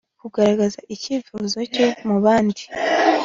kugaragaza icyifuzo cye mubandi